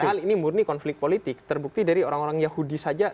padahal ini murni konflik politik terbukti dari orang orang yahudi saja